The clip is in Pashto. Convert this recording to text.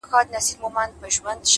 بدلون د ودې برخه ده,